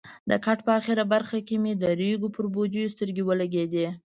د کټ په اخره برخه کې مې د ریګو پر بوجیو سترګې ولګېدې.